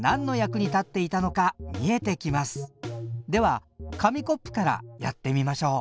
するとそれがでは紙コップからやってみましょう。